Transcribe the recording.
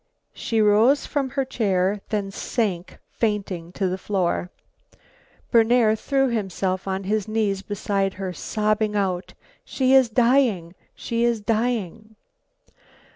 She rose from her chair, then sank fainting to the floor. Berner threw himself on his knees beside her, sobbing out, "She is dying! She is dying!"